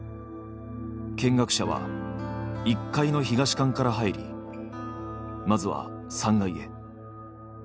見学者は１階の東館から入りまずは３階へ。